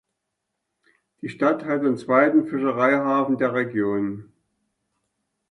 Die Stadt hat den zweiten Fischereihafen der Region.